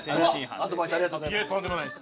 アドバイスありがとうございます。